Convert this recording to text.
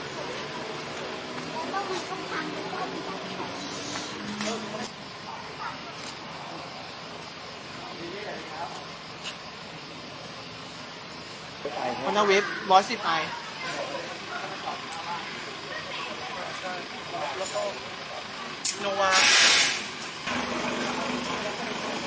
ขอบคุณครับว่าชื่อคุณขอบคุณภาพชาติที่หรือภาพชาติชื่อคุณก็อยู่ในน้ำที่จีน